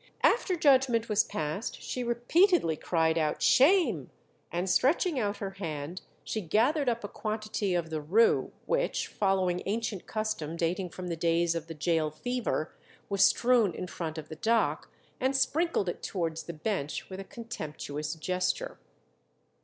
After judgment was passed she repeatedly cried out Shame! and stretching out her hand, she gathered up a quantity of the rue which, following ancient custom dating from the days of the gaol fever, was strewn in front of the dock, and sprinkled it towards the bench with a contemptuous gesture.